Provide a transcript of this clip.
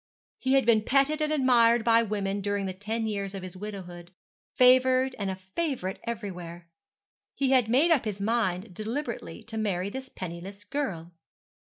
He had been petted and admired by women during the ten years of his widowhood, favoured and a favourite everywhere. He had made up his mind deliberately to marry this penniless girl.